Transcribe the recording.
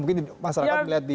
mungkin masyarakat melihat di